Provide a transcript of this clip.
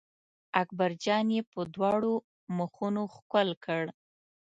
اکبر جان یې په دواړو مخونو ښکل کړ.